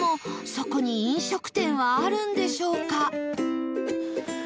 そこに飲食店はあるんでしょうか？